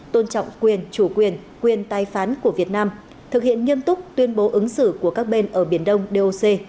tôn trọng quyền chủ quyền quyền tài phán của việt nam thực hiện nghiêm túc tuyên bố ứng xử của các bên ở biển đông doc